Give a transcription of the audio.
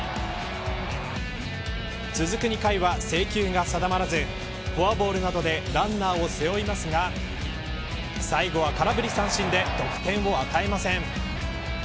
続く２回は、制球が定まらずフォアボールなどでランナーを背負いますが最後は空振り三振で得点を与えません。